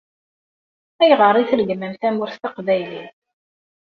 Ayɣer i tregmem tamurt taqbaylit?